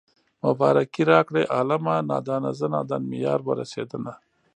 مبارکي راکړئ عالمه نادانه زه نادان مې يار ورسېدنه